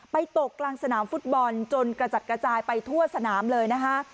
ตกกลางสนามฟุตบอลจนกระจัดกระจายไปทั่วสนามเลยนะคะ